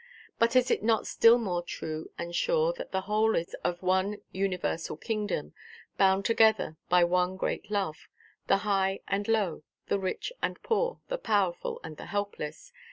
But is it not still more true and sure, that the whole is of one universal kingdom (bound together by one great love), the high and low, the rich and poor, the powerful and the helpless?